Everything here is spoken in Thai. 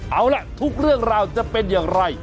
เอาล่ะทุกเรื่องราวจะเป็นอย่างไร